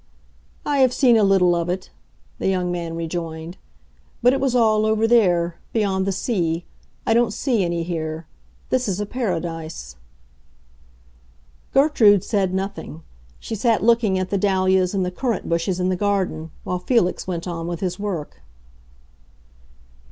"I have seen a little of it," the young man rejoined. "But it was all over there—beyond the sea. I don't see any here. This is a paradise." Gertrude said nothing; she sat looking at the dahlias and the currant bushes in the garden, while Felix went on with his work.